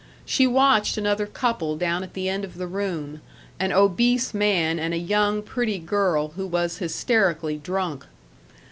She watched another couple down at the end of the room an obese man and a young, pretty girl, who was hysterically drunk.